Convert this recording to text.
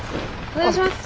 お願いします。